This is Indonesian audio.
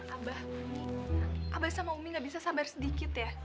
abah abah sama umi gak bisa sabar sedikit ya